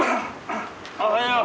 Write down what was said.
おはよう。